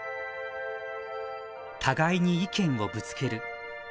互いに意見をぶつける。